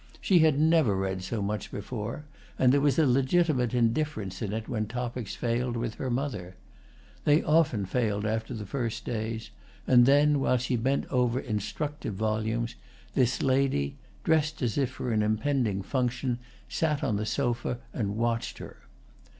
She had never read so much before, and there was a legitimate indifference in it when topics failed with her mother. They often failed after the first days, and then, while she bent over instructive volumes, this lady, dressed as if for an impending function, sat on the sofa and watched her.